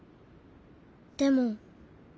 でも。